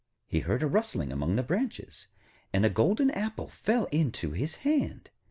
He heard a rustling among the branches, and a golden apple fell into his hand.